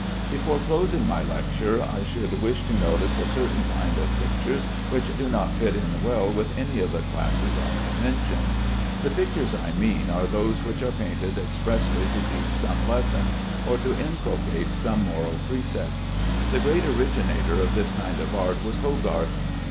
Before closing my lecture I should wish to notice a certain kind of pictures which do not fit in well with any of the classes I have mentioned. The pictures I mean are those which are painted expressly to teach some lesson, or to inculcate some moral precept. The great originator of this kind of art was Hogarth.